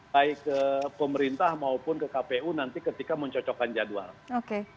baik ke pemerintah maupun ke kpu nanti ketika mencocokkan jadwal